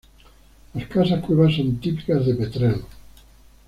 Las casas-cueva son típicas de Petrel.